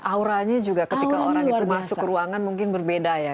auranya juga ketika orang itu masuk ke ruangan mungkin berbeda ya